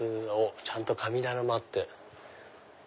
ちゃんと神棚もあって。